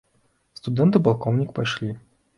Студэнт і палкоўнік пайшлі.